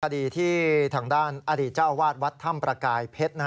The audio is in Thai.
คดีที่ทางด้านอดีตเจ้าอาวาสวัดถ้ำประกายเพชร